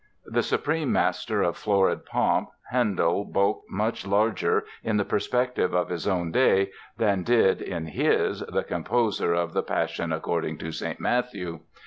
The supreme master of florid pomp, Handel bulked much larger in the perspective of his own day than did, in his, the composer of the "Passion According to St. Matthew."